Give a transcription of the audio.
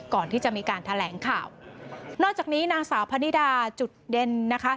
ก่อนที่จะมีการแถลงข่าวนอกจากนี้นางสาวพนิดาจุดเด่นนะคะ